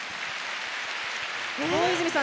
大泉さん